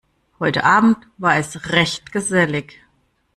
Heute Abend war es recht gesellig.